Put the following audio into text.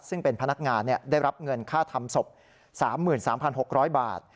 ซึ่งเป็นพนักงานได้รับเงินค่าทำศพ๓๓๖๐๐บาท